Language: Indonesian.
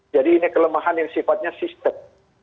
jadi ini kelemahan yang sifatnya sistem